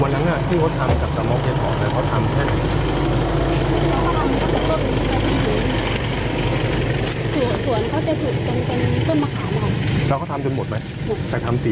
เราก็ทำ